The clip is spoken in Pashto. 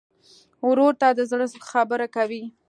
ورور ته د زړه خبره کوې.